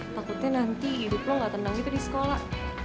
takutnya nanti hidup lo gak tenang gitu di sekolah